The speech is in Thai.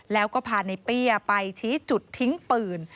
แล้วก็พาในเปี้ยไปชี้จุดทิ้งปืน